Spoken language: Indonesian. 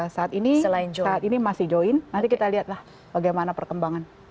saat ini masih join nanti kita lihatlah bagaimana perkembangan